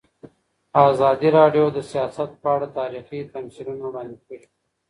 ازادي راډیو د سیاست په اړه تاریخي تمثیلونه وړاندې کړي.